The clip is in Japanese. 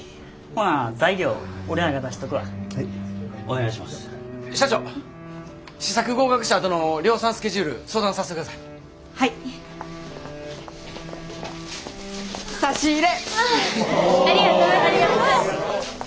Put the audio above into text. ありがとうございます。